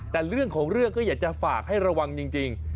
แต่เรื่องของเรื่องก็อยากจะฝากให้ระวังจริง